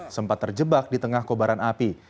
sempat terjebak di tengah kobaran api